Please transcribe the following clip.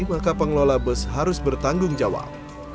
maka pengelola bus harus bertanggung jawab